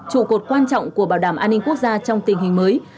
trụ cột quan trọng của bảo đảm an ninh quốc gia trong tình hình mới